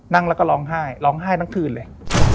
นั่งแล้วก็ร้องไห้ร้องไห้ทั้งคืนเลย